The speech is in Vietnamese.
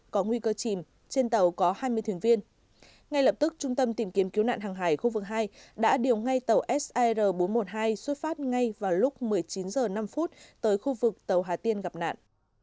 có nguy cơ chìm trên tàu có hai mươi thuyền viên ngay lập tức trung tâm tìm kiếm cứu nạn hàng hải khu vực hai đã điều ngay tàu sir bốn trăm một mươi hai xuất phát ngay vào lúc một mươi chín h năm tới khu vực tàu hà tiên gặp nạn